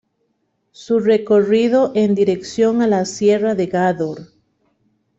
Su recorrido en dirección a la Sierra de Gádor.